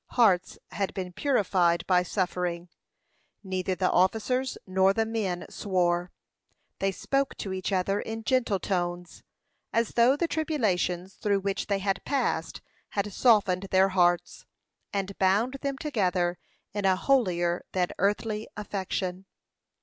Hearts had been purified by suffering. Neither the officers nor the men swore; they spoke to each other in gentle tones, as though the tribulations through which they had passed had softened their hearts, and bound them together in a holier than earthly affection.